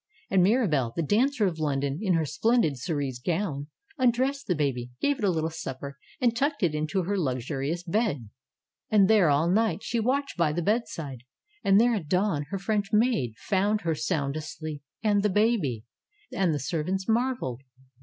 And Mirabelle, the dancer of London, in her splendid cerise gown, undressed the baby, gave it a little supper and tucked it into her luxurious bed! And there all night she watched by the bedside. And there at dawn her French maid found her sound asleep, and the baby ! And the servants marveled.